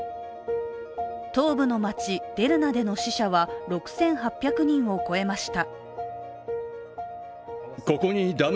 東部の街・デルナでの死者は６８００人を超えました。